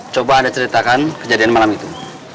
coba anda ceritakan kejadian malam itu